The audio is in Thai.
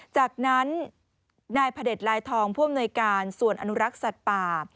จากนั้นนายพระเด็จลายทองผู้อำนวยการส่วนอนุรักษ์สัตว์ป่า